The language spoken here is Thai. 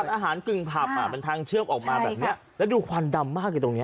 อาหารกึ่งผับอ่ะมันทางเชื่อมออกมาแบบนี้แล้วดูควันดำมากเลยตรงนี้